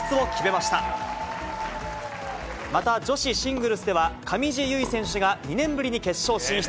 また、女子シングルスでは、上地結衣選手が２年ぶりに決勝進出。